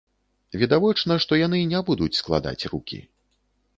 Відавочна, што яны не будуць складаць рукі.